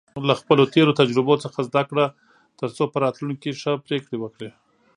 له خپلو تېرو تجربو څخه زده کړه، ترڅو په راتلونکي کې ښه پریکړې وکړې.